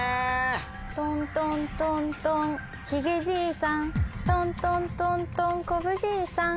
とんとんとんとんひげじいさんとんとんとんとんこぶじいさん